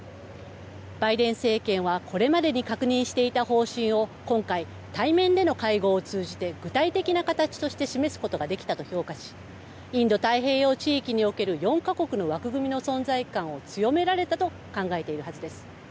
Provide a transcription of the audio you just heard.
バイデン政権はこれまでに確認していた方針を今回、対面での会合を通じて具体的な形として示すことができたと評価しインド太平洋地域における４か国の枠組みの存在感を強められたと考えているはずです。